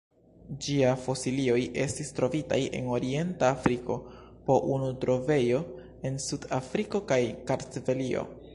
Ĝia fosilioj estis trovitaj en orienta Afriko, po unu trovejo en Sud-Afriko kaj Kartvelio.